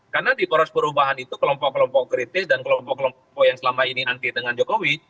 karena di poros perubahan itu kelompok kelompok kritis dan kelompok kelompok yang selama ini anti dengan jokowi